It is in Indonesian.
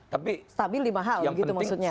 tapi yang penting stabil di mahal gitu maksudnya